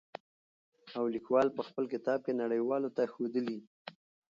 او ليکوال په خپل کتاب کې نړۍ والو ته ښودلي.